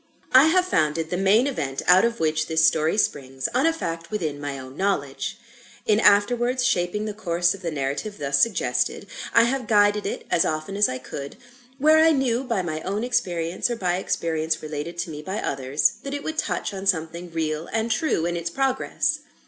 I have founded the main event out of which this story springs, on a fact within my own knowledge. In afterwards shaping the course of the narrative thus suggested, I have guided it, as often as I could, where I knew by my own experience, or by experience related to me by others, that it would touch on something real and true in its progress.